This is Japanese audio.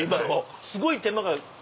すごい手間が。